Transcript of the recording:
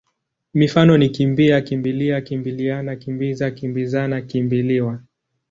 Mifano ni kimbi-a, kimbi-lia, kimbili-ana, kimbi-za, kimbi-zana, kimbi-liwa.